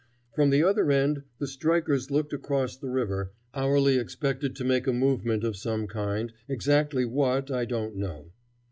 From the other end the strikers looked across the river, hourly expected to make a movement of some kind, exactly what I don't know.